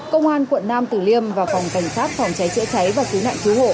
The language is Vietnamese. công an quận năm từ liêm và phòng cảnh sát phòng cháy chữa cháy và cứu nạn cứu hộ